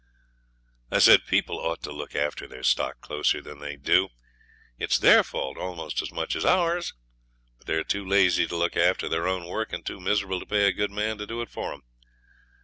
'People ought to look after their stock closer than they do,' I said. 'It is their fault almost as much as ours. But they are too lazy to look after their own work, and too miserable to pay a good man to do it for them.